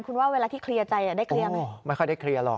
คุณว่าเวลาที่เคลียร์ใจได้เคลียร์ไหมไม่ค่อยได้เคลียร์หรอก